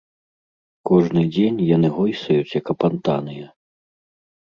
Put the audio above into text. Кожны дзень яны гойсаюць як апантаныя.